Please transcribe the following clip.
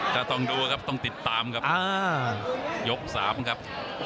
จะต้องดูอะครับต้องติดตามครับ